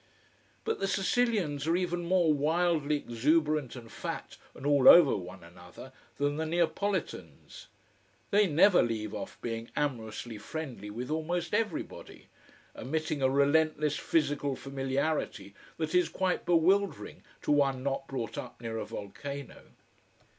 But the Sicilians are even more wildly exuberant and fat and all over one another than the Neapolitans. They never leave off being amorously friendly with almost everybody, emitting a relentless physical familiarity that is quite bewildering to one not brought up near a volcano.